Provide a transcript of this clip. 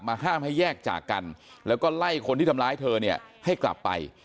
ห้ามให้แยกจากกันแล้วก็ไล่คนที่ทำร้ายเธอเนี่ยให้กลับไป